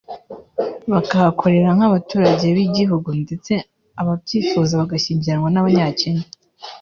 bakahakorera nk’abaturage b’igihugu ndetse ababyifuza bagashyingiranwa n’Abanyakenya